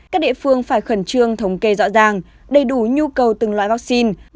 các địa phương phải khẩn trương thống kê rõ ràng đầy đủ nhu cầu từng loại vaccine